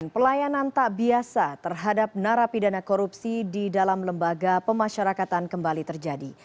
pelayanan tak biasa terhadap narapidana korupsi di dalam lembaga pemasyarakatan kembali terjadi